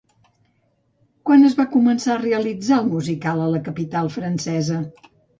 Quan es va començar a realitzar el musical a la capital francesa?